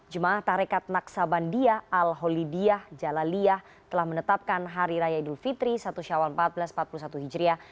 jemaah tarekat naksabandia al holidiyah jalaliyah telah menetapkan hari raya idul fitri satu syawal seribu empat ratus empat puluh satu hijriah